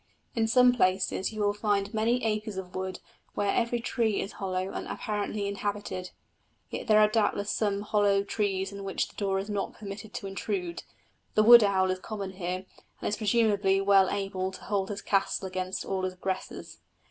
In some places you will find many acres of wood where every tree is hollow and apparently inhabited. Yet there are doubtless some hollow trees into which the daw is not permitted to intrude. The wood owl is common here, and is presumably well able to hold his castle against all aggressors.